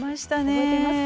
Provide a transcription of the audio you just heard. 覚えていますか？